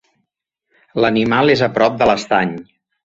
L'animal és a prop de l'estany.